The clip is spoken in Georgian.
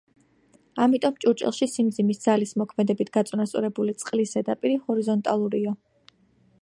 ამიტომ ჭურჭელში სიმძიმის ძალის მოქმედებით გაწონასწორებული წყლის ზედაპირი ჰორიზონტალურია.